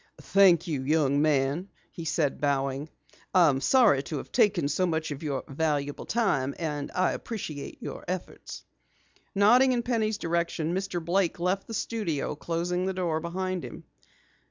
"Thank you, young man," he said, bowing. "I am sorry to have taken so much of your valuable time, and I appreciate your efforts." Nodding in Penny's direction, Mr. Blake left the studio, closing the door behind him.